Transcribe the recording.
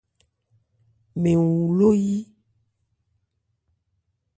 Mɛn wu ló yí.